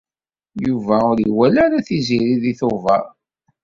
Yuba ur iwala ara Tiziri seg Tubeṛ.